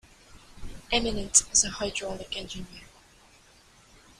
Eminent as a hydraulic engineer.